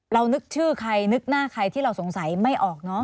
นึกชื่อใครนึกหน้าใครที่เราสงสัยไม่ออกเนอะ